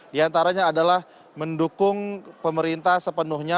di antaranya adalah mendukung pemerintah sepenuhnya